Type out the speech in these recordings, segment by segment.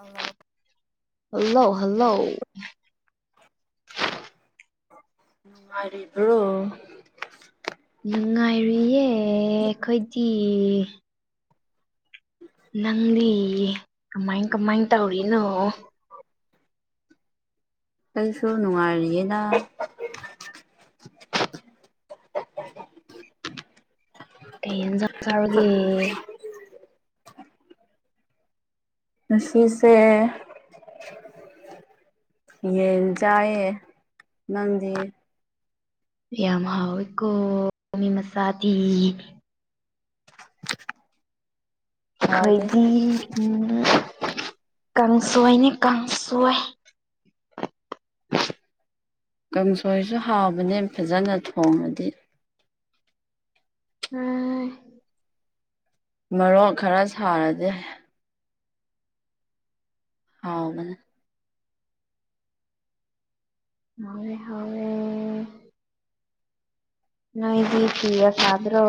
hello hello hello [inaudible] ꯅꯨꯉꯥꯏꯔꯤꯕ꯭ꯔꯣ ꯅꯨꯡꯉꯥꯏꯔꯤꯌꯦ ꯑꯈꯣꯏꯗꯤ ꯅꯪꯗꯤ ꯀꯃꯥꯏ ꯀꯃꯥꯏ ꯇꯧꯔꯤꯅꯣ ꯑꯩꯁꯨ ꯅꯨꯡꯉꯥꯏꯔꯤꯌꯦꯅ ꯀꯩ ꯌꯦꯟꯁꯥꯡ ꯆꯥꯔꯒꯦ ꯉꯁꯤꯁꯦ ꯌꯦꯟ ꯆꯥꯏꯌꯦ ꯅꯪꯗꯤ ꯌꯥꯝ ꯍꯥꯎꯋꯦꯀꯣ ꯃꯤ ꯃꯆꯥꯗꯤ ꯍꯥꯎꯇꯦꯗ ꯑꯩꯈꯣꯏꯗꯤ ꯎꯝ ꯀꯥꯡꯁꯣꯏꯅꯦ ꯀꯥꯡꯁꯣꯏ ꯀꯥꯡꯁꯣꯏꯁꯨ ꯍꯥꯎꯕꯅꯦ ꯐꯖꯅ ꯊꯣꯡꯉꯗꯤ ꯍꯣꯏ ꯃꯔꯣꯛ ꯈꯔ ꯁꯥꯔꯗꯤ ꯍꯥꯎꯕꯅꯦ ꯍꯥꯎꯋꯦ ꯍꯥꯎꯋꯦ ꯅꯣꯏꯗꯤ ꯐꯤꯒ ꯁꯥꯗ꯭ꯔꯣ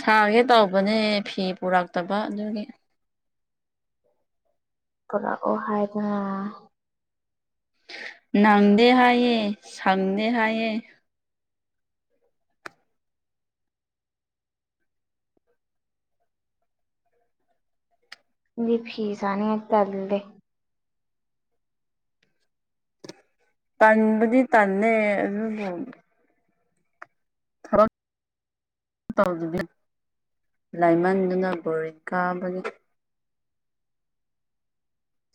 ꯁꯥꯒꯦ ꯇꯧꯕꯅꯦ ꯐꯤ ꯄꯨꯔꯛꯇꯕ ꯑꯗꯨꯒꯤ ꯄꯨꯔꯛꯑꯣ ꯍꯥꯏꯌꯨꯗꯅ ꯅꯪꯗꯦ ꯍꯥꯏꯌꯦ ꯁꯪꯗꯦ ꯍꯥꯏꯌꯦ ꯑꯩꯗꯤ ꯐꯤ ꯁꯥꯅꯤꯡꯉꯥꯏ ꯇꯟꯂꯦ ꯇꯟꯕꯨꯗꯤ ꯇꯟꯂꯦ ꯑꯗꯨꯕꯨ ꯊꯕꯛ ꯇꯧꯗꯕꯤ ꯂꯥꯏꯃꯟꯗꯅ ꯕꯣꯔꯤꯡ ꯀꯥꯕꯒꯤ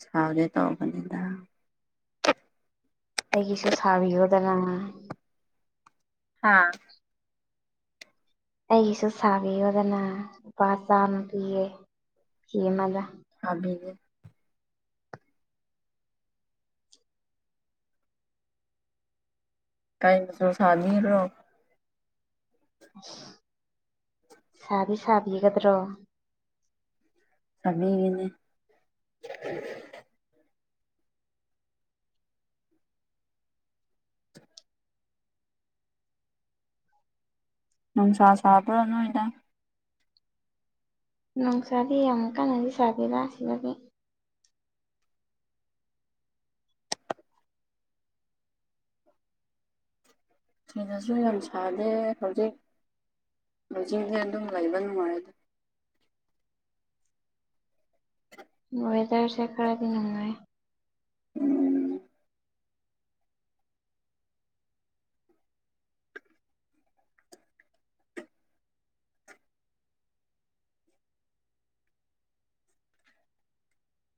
ꯁꯥꯒꯦ ꯇꯧꯕꯅꯤꯗ ꯑꯩꯒꯤꯁꯨ ꯁꯥꯕꯤꯌꯨꯗꯅ ꯍꯥꯥ ꯑꯩꯒꯤꯁꯨ ꯁꯥꯕꯤꯌꯣꯗꯅ ꯂꯨꯄꯥ ꯆꯥꯝꯃ ꯄꯤꯒꯦ ꯐꯤ ꯑꯃꯗ ꯁꯥꯕꯤꯒꯦ ꯀꯩ ꯃꯆꯨ ꯁꯥꯕꯤꯒꯗꯔꯣ ꯑꯁ ꯁꯥꯗꯤ ꯁꯥꯕꯤꯒꯗ꯭ꯔꯣ ꯁꯥꯕꯤꯒꯦꯅꯦ [unintelligible] [inaudible] ꯅꯨꯡꯁꯥ ꯁꯥꯕ꯭ꯔꯥ ꯅꯣꯏꯗ ꯅꯨꯡꯁꯥꯗꯤ ꯌꯥꯝ ꯀꯥꯟꯅꯗꯤ ꯁꯥꯗꯦꯅ ꯁꯤꯗꯗꯤ ꯁꯤꯗꯁꯨ ꯌꯥꯝ ꯁꯥꯗꯦ ꯍꯧꯖꯤꯛ ꯍꯧꯖꯤꯡꯗꯤ ꯑꯗꯨꯝ ꯂꯩꯕ ꯅꯨꯡꯉꯥꯏꯌꯦꯗ ꯋꯦꯗꯔꯁꯦ ꯈꯔꯗꯤ ꯅꯨꯡꯉꯥꯏ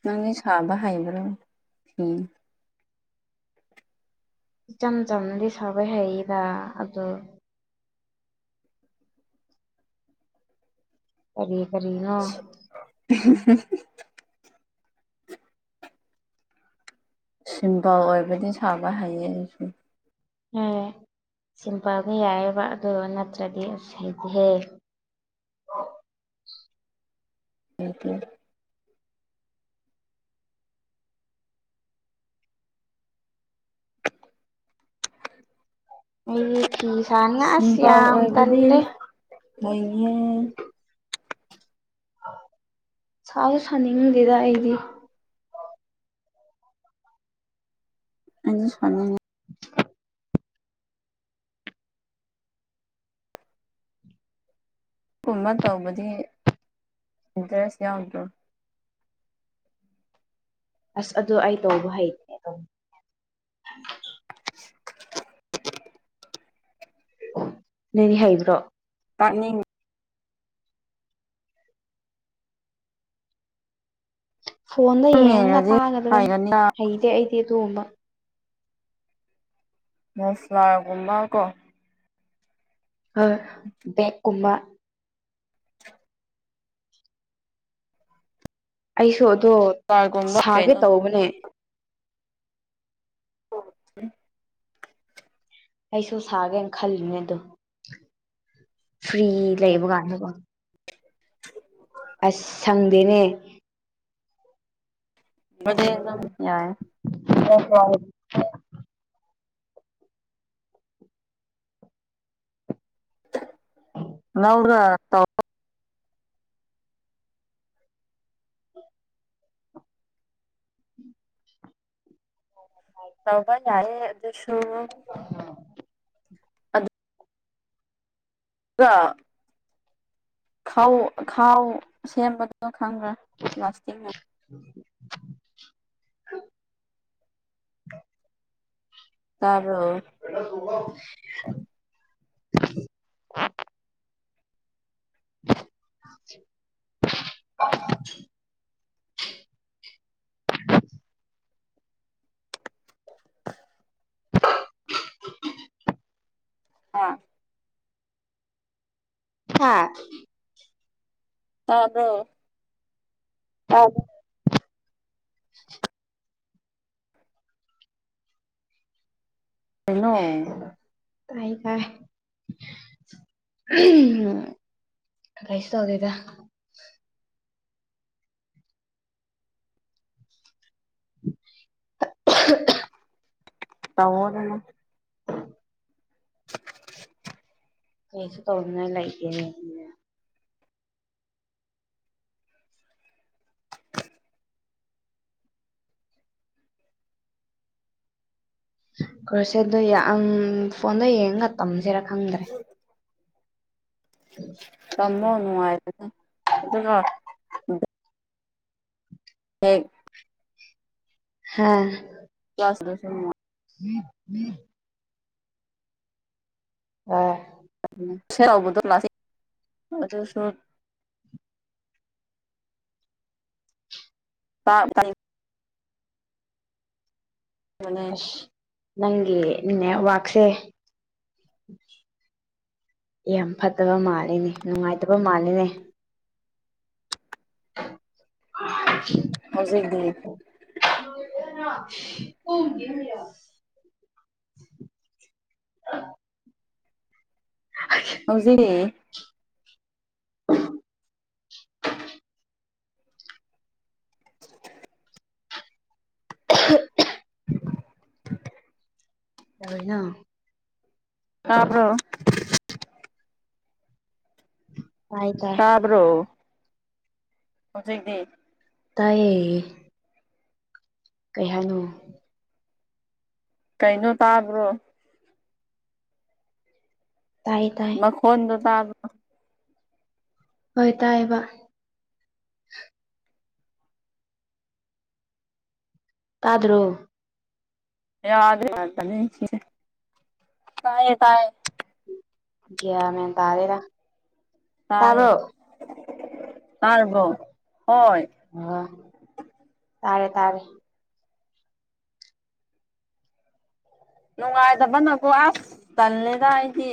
ꯅꯪꯗꯤ ꯁꯥꯕ ꯍꯥꯏꯕ꯭ꯔꯣ ꯐꯤ ꯏꯆꯝ ꯆꯝꯕꯗꯤ ꯁꯥꯕ ꯍꯩꯌꯦꯕ ꯑꯗꯨ ꯀꯔꯤ ꯀꯔꯤꯅꯣ [unintelligible] ꯁꯤꯝꯄꯜ ꯑꯣꯏꯕꯗꯤ ꯁꯥꯕ ꯍꯩꯌꯦ ꯑꯩꯁꯨꯨ ꯑꯦ ꯁꯤꯝꯄꯜꯗꯤ ꯌꯥꯏꯑꯕ ꯑꯗꯨ ꯅꯠꯇ꯭ꯔꯗꯤ ꯑꯁ ꯍꯩꯇꯦꯍꯦ ꯎꯝ ꯍꯨꯝ [unintelligible] ꯑꯩ ꯐꯤꯁꯥꯅ ꯑꯁ ꯌꯥꯝ ꯇꯟꯂꯦ ꯃꯣꯏꯃꯤ ꯁꯥꯁꯨ ꯁꯥꯅꯤꯡꯗꯦꯗ ꯑꯩꯗꯤ ꯑꯩꯗꯤ ꯁꯥꯅꯤꯡꯉꯤ [inaudible] ꯀꯨꯝꯕ ꯇꯧꯕꯗꯤ ꯏꯟꯇꯔꯦꯁ ꯌꯥꯎꯗ꯭ꯔꯣ ꯑꯁ ꯑꯗꯨ ꯑꯩ ꯇꯧꯕ ꯍꯩ ꯅꯪꯗꯤ ꯍꯩꯕ꯭ꯔꯣ [inaudible] ꯐꯣꯟꯗ ꯁꯨꯝ ꯌꯦꯡꯉꯒ ꯌꯦꯡꯔꯗꯤ ꯇꯥꯒꯗꯕꯅꯤ ꯍꯩꯒꯅꯤꯗ ꯍꯩꯇꯦ ꯑꯩꯗꯤ ꯑꯗꯨꯒꯨꯝꯕ ꯃꯁꯂꯥꯒꯨꯝꯕ ꯀꯣ ꯍꯣꯏ ꯕꯦꯛꯀꯨꯝꯕ ꯑꯩꯁꯨ ꯑꯗꯣ ꯐ꯭ꯂꯥꯔꯒꯨꯝꯕ ꯁꯥꯒꯦ ꯀꯩꯅꯣ ꯇꯧꯕꯅꯦ [inaudible] ꯑꯩꯁꯨ ꯁꯥꯒꯦꯅ ꯈꯜꯂꯤꯅꯦ ꯑꯗꯣ ꯐ꯭ꯔꯤ ꯂꯩꯕ ꯀꯥꯟꯗꯀꯣ [unintelligible] ꯑꯁ ꯁꯪꯗꯦꯅꯦ [inaudible] ꯌꯥꯏ [inaudible] ꯅꯧꯔ ꯇꯧ ꯇꯧꯕ ꯌꯥꯏꯌꯦ ꯑꯗꯨꯁꯨ ꯍꯜꯂꯣ ꯈꯧ ꯈꯥꯎ ꯁꯦꯝꯕꯗꯨ ꯅꯪ ꯈꯪꯕ꯭ꯔꯥ ꯄ꯭ꯂꯥꯁꯇꯤꯛꯅ [unintelligible] ꯇꯥꯕ꯭ꯔꯣ [inaudible] [unintelligible] ꯍꯥ ꯊꯥ ꯇꯥꯕ꯭ꯔꯣ ꯇꯥꯕ꯭ꯔꯣ [unintelligible] ꯀꯩꯅꯣ ꯇꯥꯏ ꯇꯥꯏ ꯀꯩꯁꯨ ꯇꯧꯗꯦꯗ [unintelligible] ꯇꯧꯋꯣꯗꯨꯅ [unintelligible] ꯀꯩꯁꯨ ꯇꯧꯅꯤꯉꯥꯏ ꯂꯩꯇꯦꯅꯦ ꯀꯔꯁꯦ ꯗꯨ ꯌꯥꯝ ꯐꯣꯟꯗꯣ ꯌꯦꯡꯉꯒ ꯇꯝꯁꯤꯔꯥ ꯈꯪꯗ꯭ꯔꯦ ꯇꯝꯃꯣ ꯅꯨꯉꯥꯏꯕꯅꯦ ꯑꯗꯨꯒ ꯍꯩ ꯍꯥꯥ [inaudible] [unintelligible] ꯇꯥꯏ [inaudible] ꯑꯗꯨꯁꯨ ꯇꯥꯒꯅꯤ [inaudible] ꯅꯪꯒꯤ ꯅꯦꯠ ꯋꯥꯥꯛꯁꯦ ꯌꯥꯝ ꯐꯠꯇꯕ ꯃꯥꯜꯂꯤꯅꯦ ꯅꯨꯡꯉꯥꯏꯇꯕ ꯃꯥꯜꯂꯤꯅꯦ [unintelligible] ꯍꯧꯖꯤꯛꯗꯤ ꯍ [inaudible] ꯍꯥꯊꯤ ꯍꯧꯖꯤꯛ [unintelligible] [unintelligible] ꯀꯩꯗꯧꯋꯦꯅꯣ ꯇꯥꯕ꯭ꯔꯣ ꯇꯥꯏ ꯇꯥꯏ ꯇꯥꯕ꯭ꯔꯣ ꯍꯧꯖꯤꯛꯗꯤ ꯇꯥꯏꯌꯦ ꯀꯩ ꯍꯥꯏꯅꯣ ꯀꯩꯅꯣ ꯇꯥꯕ꯭ꯔꯣ ꯇꯥꯏ ꯇꯥꯏ ꯃꯈꯣꯟꯗꯣ ꯇꯥꯕꯔꯣ [unintelligible] ꯍꯣꯏ ꯇꯥꯏꯌꯦꯕ ꯇꯥꯗ꯭ꯔꯣ ꯌꯥꯗꯦ ꯌꯥꯗ ꯆꯦ ꯇꯥꯏꯌꯦ ꯇꯥꯏꯌꯦ [unintelligible] ꯒ꯭ꯌꯥꯟ ꯃꯦꯟ ꯇꯗꯦꯗ ꯇꯥꯏꯌꯦ ꯇꯔꯕꯣ ꯍꯣꯏ ꯑꯣ ꯇꯥꯔꯦ ꯇꯥꯔꯦ ꯅꯨꯡꯉꯥꯏꯇꯕꯅꯀꯣ ꯑꯁ ꯇꯜꯂꯦꯗ ꯑꯩꯗꯤ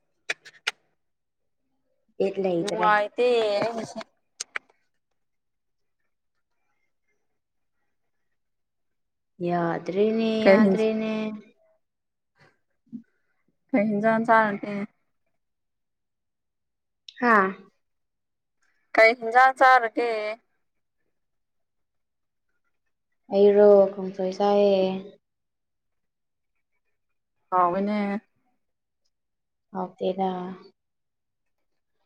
[inaudible] ꯕꯤꯠ ꯂꯩꯇ꯭ꯔꯦ ꯅꯨꯡꯉꯥꯏꯇꯦ ꯑꯩꯒꯤꯁꯦ [unintelligible] ꯌꯥꯗ꯭ꯔꯅꯦ ꯀꯩ ꯌꯥꯗ꯭ꯔꯅꯦ ꯀꯩ ꯍꯤꯟꯖꯥꯡ ꯆꯥꯔꯒꯦ ꯍꯥꯥ ꯀꯩ ꯍꯤꯟꯖꯥꯡ ꯆꯥꯔꯒꯦ ꯑꯩꯔꯣ ꯀꯥꯡꯁꫭꯏ ꯆꯥꯏꯌꯦ ꯍꯧꯋꯦꯅꯦ ꯍꯥꯎꯇꯦꯗ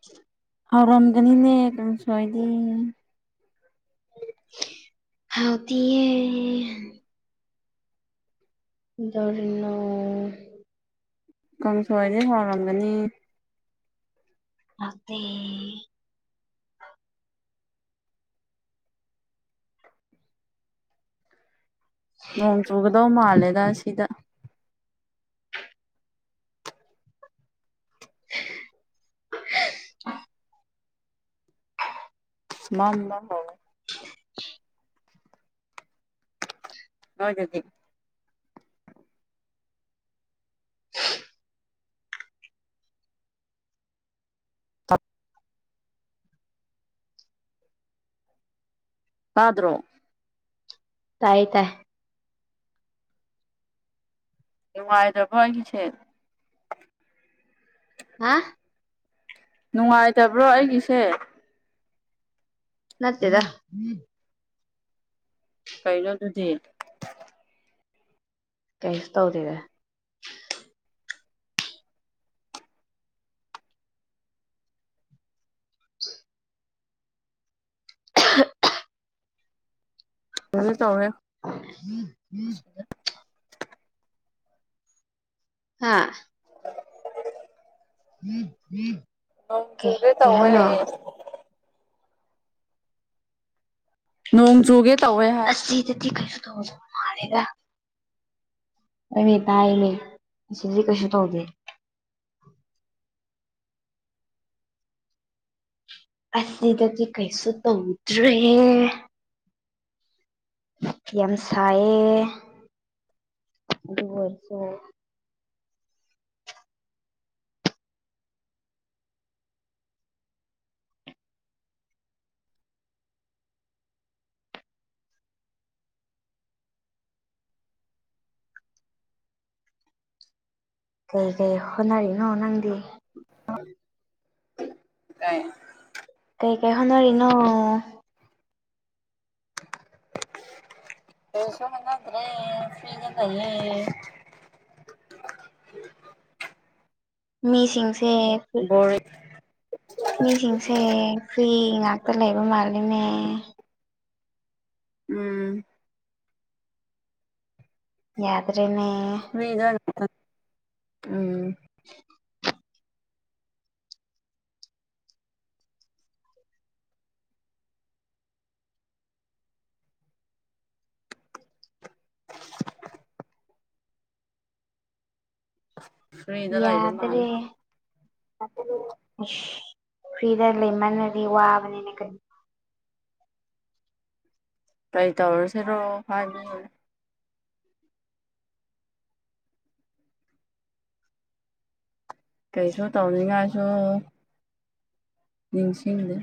ꯆ [inaudible] ꯍꯧꯔꯝꯒꯅꯤꯅꯦ ꯀꯥꯡꯁꯣꯏꯗꯤ ꯍꯧꯇꯤꯌꯦ ꯀꯩꯗꯧꯔꯤꯅꯣ [unintelligible] ꯀꯥꯡꯁꯣꯏꯗꯤ ꯍꯥꯎꯔꯝꯒꯅꯤ ꯍꯧꯇꯦ [unintelligible] ꯅꯣꯡ ꯆꯨꯒꯗꯧ ꯃꯥꯜꯂꯦꯗ ꯑꯁꯤꯗ [inaudible] ꯃꯝꯕ ꯍꯧꯋꯦ [inaudible] ꯅꯣꯏꯒꯤꯗꯤ [unintelligible] [unintelligible] ꯇꯞ [unintelligible] ꯇꯥꯗ꯭ꯔꯣ ꯇꯥꯏꯌꯦ ꯇꯥꯏ ꯅꯨꯡꯉꯥꯏꯗꯕ ꯑꯩꯒꯤꯁꯦ ꯍꯥ ꯅꯨꯡꯉꯥꯏꯇꯕ꯭ꯔꯣ ꯑꯩꯒꯤꯁꯦ ꯅꯠꯇꯦꯗꯥ ꯀꯩꯅꯣ ꯗꯨꯗꯤ ꯀꯩꯁ ꯇꯧꯗꯦꯗ [unintelligible] [inaudible] ꯍꯥ ꯅꯣꯡ ꯀꯩ ꯆꯨꯒꯦ ꯀꯩ ꯇꯧꯋꯦ ꯍꯥꯏꯅꯣ ꯅꯣꯡ ꯆꯨꯒꯦ ꯇꯧꯋꯦ ꯍꯥꯏꯕ ꯑꯁꯤꯗꯗꯤ ꯀꯩꯁꯨ [unintelligible] ꯃꯥꯟꯂꯦꯗꯥ ꯍꯣꯏꯃꯦ ꯇꯥꯏꯃꯦ ꯑꯁꯤꯗꯤ ꯀꯩꯁꯨ ꯇꯧꯗꯦ ꯑꯁꯤꯗꯗꯤ ꯀꯩꯁꯨ ꯇꯧꯗ꯭ꯔꯦ ꯌꯥꯝ ꯁꯥꯏꯌꯦ [unintelligible] ꯀꯩ ꯀꯩ ꯍꯣꯠꯅꯔꯤꯅꯣ ꯅꯪꯗꯤ [unintelligible] ꯀꯩ ꯀꯩ ꯍꯣꯅꯔꯤꯅꯣ ꯀꯔꯤꯁꯨ ꯍꯧꯟꯅꯗ꯭ꯔꯦ ꯐ꯭ꯔꯤꯗ ꯂꯩꯌꯦ ꯃꯤꯁꯤꯡꯁꯦ ꯕꯣꯔꯤꯛ ꯃꯤꯁꯤꯡꯁꯦ ꯐ꯭ꯔꯤ ꯉꯥꯛꯇ ꯂꯩꯕ ꯃꯥꯜꯂꯦꯅꯦ ꯎꯝ ꯌꯥꯗ꯭ꯔꯦꯅꯦ [unintelligible] ꯎꯝ [inaudible] ꯐ꯭ꯔꯤꯗ ꯂꯩꯕ ꯌꯥꯗ꯭ꯔꯦ ꯃꯥꯜꯂꯦ [unintelligible] ꯑꯩꯁ ꯐ꯭ꯔꯤꯗ ꯂꯩꯃꯜꯅꯗꯤ ꯋꯥꯕꯅꯤꯅꯦ ꯀꯔꯤ ꯀꯩ ꯇꯧꯔꯁꯤꯔꯣ ꯍꯥꯏꯃꯤꯎ ꯀꯩꯁꯨ ꯇꯧꯅꯤꯡꯉꯥꯏꯁꯨ ꯅꯤꯡꯁꯤꯡꯗꯦ